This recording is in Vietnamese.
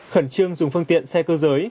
khẩn trương dùng phương tiện xe cơ giới